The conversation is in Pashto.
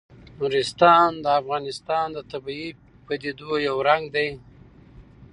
نورستان د افغانستان د طبیعي پدیدو یو رنګ دی.